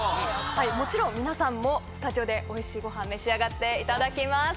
もちろん皆さんもスタジオでおいしいごはん召し上がっていただきます。